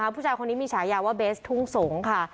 ผู้ชายคนนี้ชายอยาวเบสทุงสงค่ะ